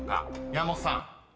［山本さん］